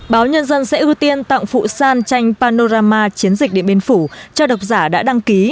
báo nhân dân sẽ ưu tiên tặng phụ san tranh panorama chiến dịch điện biên phủ cho độc giả đã đăng ký